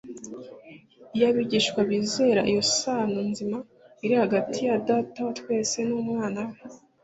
Iyo abigishwa bizera iyo sano nzima iri hagati ya Data wa twese n'Umwana we,